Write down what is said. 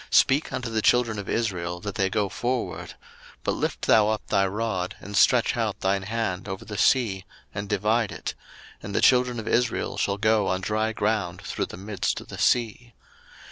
speak unto the children of Israel, that they go forward: 02:014:016 But lift thou up thy rod, and stretch out thine hand over the sea, and divide it: and the children of Israel shall go on dry ground through the midst of the sea.